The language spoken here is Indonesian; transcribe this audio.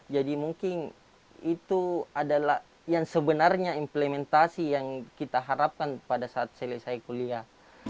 jadi mungkin itu adalah yang sebenarnya implementasi yang kita harapkan pada saat selesai kuliah